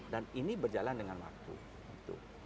dan ini berjalan dengan waktu